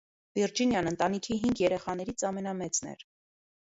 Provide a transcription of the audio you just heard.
Վիրջինիան ընտանիքի հինգ երեխաներից ամենամեծն էր։